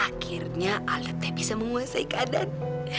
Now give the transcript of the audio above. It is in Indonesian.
akhirnya alda t bisa menguasai keadaan